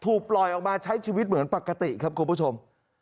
ถูกปล่อยออกมาใช้ชีวิตเหมือนปกติครับคุณผู้ชม